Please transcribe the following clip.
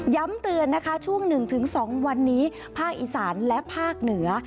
เตือนนะคะช่วง๑๒วันนี้ภาคอีสานและภาคเหนือ